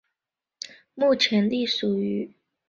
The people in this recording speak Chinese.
目前隶属于。